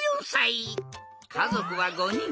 かぞくは５にん。